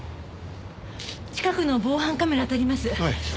近くの防犯カメラあたります。